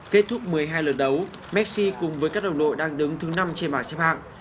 kết thúc một mươi hai lượt đấu messi cùng với các đồng đội đang đứng thứ năm trên bảng xếp hạng